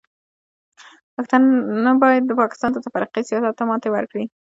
پښتانه باید د پاکستان د تفرقې سیاست ته ماتې ورکړي.